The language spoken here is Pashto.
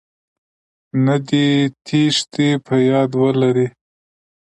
نه دې تېښتې.په ياد ولرئ